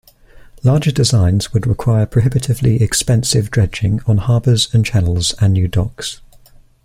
Larger designs would require prohibitively expensive dredging on harbors and channels and new docks.